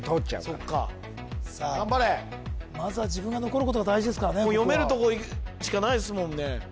まずは自分が残ることが大事ですからね読めるとこいくしかないですもんね